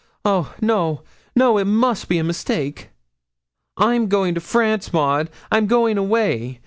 Oh! no no, it must be a mistake.' 'I'm going to France, Maud I'm going away.